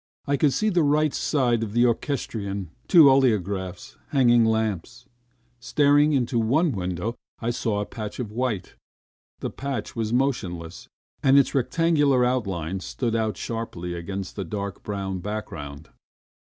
I could see the right side of the orchestrion, two oleographs, hanging lamps .... Staring into one window, I saw a patch of white. The patch was motionless, and its rectangular outlines stood out sharply against the dark, brown background.